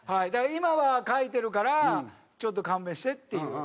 今は書いてるからちょっと勘弁してっていう。